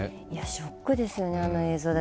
ショックですよね、あの映像は。